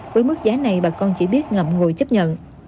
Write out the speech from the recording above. với mức giá này bà con chỉ biết ngậm ngùi chấp nhận